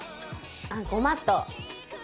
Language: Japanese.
あっごまっとう。